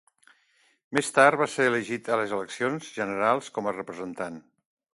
Més tard va ser elegit a les eleccions generals com a Representant.